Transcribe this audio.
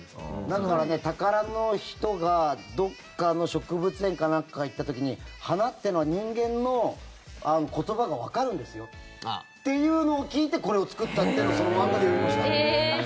だから、タカラの人がどっかの植物園かなんかに行った時に花ってのは人間の言葉がわかるんですよっていうのを聞いてこれを作ったってのをその漫画で読みました。